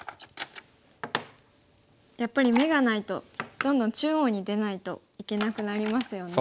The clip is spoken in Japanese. やっぱり眼がないとどんどん中央に出ないといけなくなりますよね。